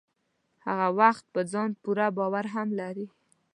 هغه وخت په ځان پوره باور هم لرئ.